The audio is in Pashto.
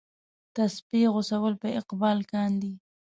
تسپې غوڅول په اقبال کاندي.